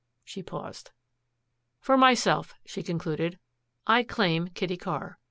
She paused. "For myself," she concluded, "I claim Kitty Carr.